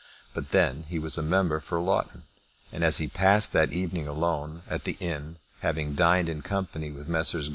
But then he was member for Loughton; and as he passed the evening alone at the inn, having dined in company with Messrs.